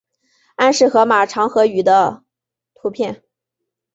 安氏河马长颌鱼的图片